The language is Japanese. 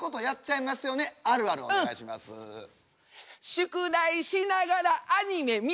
宿題しながらアニメ見る。